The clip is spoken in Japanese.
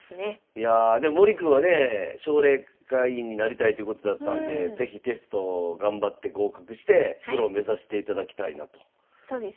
いやあで森君はね奨励会員になりたいということだったんで是非テスト頑張って合格してプロ目指していただきたいなと思います。